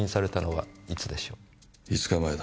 ５日前だ。